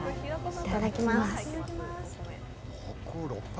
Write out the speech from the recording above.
いただきます